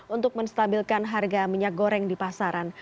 untuk menstabilkan harga minyak goreng di pasaran